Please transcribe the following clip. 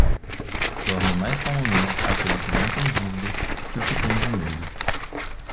Dorme mais calmamente aquele que não tem dívidas que o que tem dinheiro.